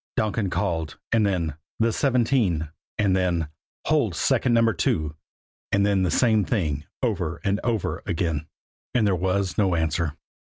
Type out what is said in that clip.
"CS CS CS," Donkin called; and then, "the seventeen," and then, "hold second Number Two." And then the same thing over and over again. And there was no answer.